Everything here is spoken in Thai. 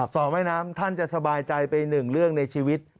สอบว่ายน้ำท่านจะสบายใจไป๑เรื่องในชีวิต